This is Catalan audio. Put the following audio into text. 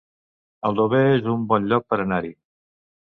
Aldover es un bon lloc per anar-hi